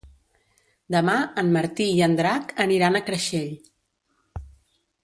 Demà en Martí i en Drac aniran a Creixell.